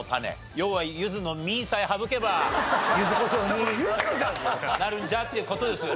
要はゆずの実さえ省けばゆずこしょうになるんじゃっていう事ですよね。